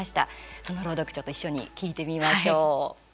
その朗読、ちょっと一緒に聴いてみましょう。